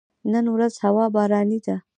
نن ورځ هوا باراني ده